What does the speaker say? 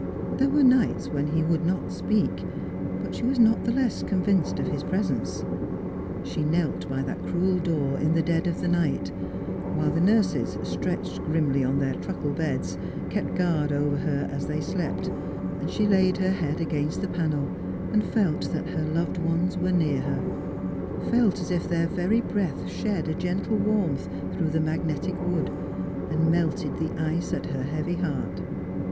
There were nights when he would not speak, but she was not the less convinced of his presence. She knelt by that cruei door ia the dead of the night — while the nurses, stretched grimly on their truckle beds, kept guai'd over her aa they slept — and laid her head against the panel, and felt that her loved ones were near her ; felt as if their very breath shed a gentle warmth through the magnetic wood, and melted the ice at her heavy heaii.